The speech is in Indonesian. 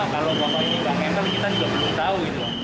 kalau bapak ini bang emel kita juga belum tahu